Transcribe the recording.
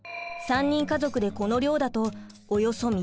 ３人家族でこの量だとおよそ３日分。